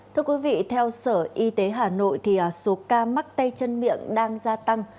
thưa quý vị theo sở y tế hà nội thì số ca mắc tay chân miệng đang gia tăng